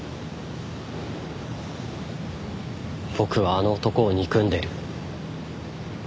僕はあの男を憎んでる。